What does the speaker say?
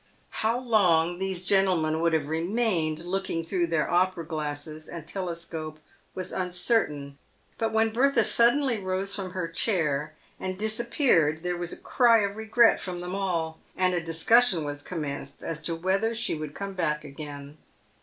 How long these gentlemen would have remained looking through their opera glasses and telescope was uncertain, but when Bertha suddenly rose from her chair and disappeared there was a cry of regret from them all, and a discussion was commenced as to whether she would come back again.